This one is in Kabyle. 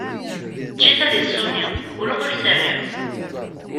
Eǧǧ-it ad iṣuni, ggulleɣ ur s-rriɣ!